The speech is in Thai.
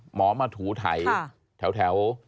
หมอมาถูไถแถว